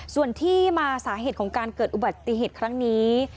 ส่วนที่มาสาเหตุของการเกิดอุบัติเหตุครั้งนี้